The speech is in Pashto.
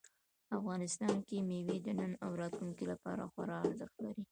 افغانستان کې مېوې د نن او راتلونکي لپاره خورا ارزښت لري.